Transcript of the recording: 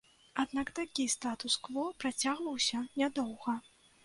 Аднак такі статус-кво працягваўся нядоўга.